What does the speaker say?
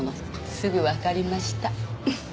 すぐわかりました。